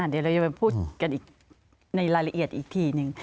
เดี๋ยวเราไปพูดกันมารายละเอียดอีกทีนึง